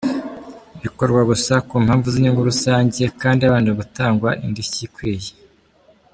Bikorwa gusa ku mpamvu z’inyungu rusange kandi habanje gutangwa indishyi ikwiye.